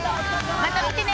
また見てね！